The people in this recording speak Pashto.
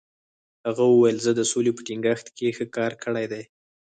هغه وویل، زه د سولې په ټینګښت کې ښه کار کړی دی.